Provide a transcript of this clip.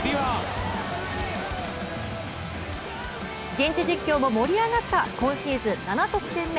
現地実況も盛り上がった今シーズン７得点目。